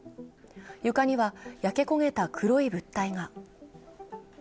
床には焼け焦げた黒い物体が。